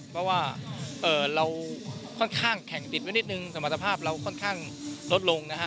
เพราะว่าเราค่อนข้างแข่งติดไว้นิดนึงสมรรถภาพเราค่อนข้างลดลงนะฮะ